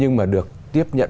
nhưng mà được tiếp nhận